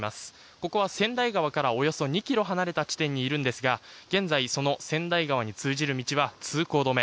ここは川内川からおよそ２ｋｍ離れた地点にいるのですが現在、川内川に通じる道は通行止め。